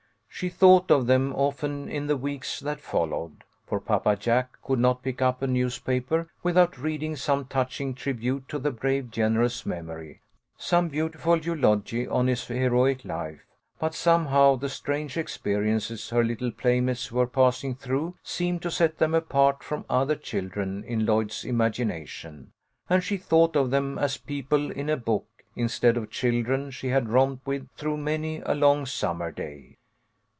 She thought of them often in the weeks that followed, for Papa Jack could not pick up a newspaper without reading some touching trib ute to the brave general's memory, some beautiful eulogy on his heroic life, but somehow the strange experiences her little playmates were passing through seemed to set them apart from other children in Lloyd's imagination, and she thought of them as people in a book, instead of children she had romped with through many a long summer day.